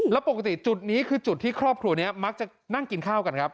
แล้วปกติจุดนี้คือจุดที่ครอบครัวนี้มักจะนั่งกินข้าวกันครับ